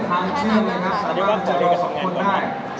ทั้งเรียนมันไปด้วยกันกว่าเดียวกัน